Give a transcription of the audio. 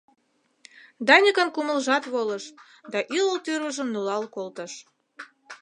Даникын кумылжат волыш, да ӱлыл тӱрвыжым нулал колтыш.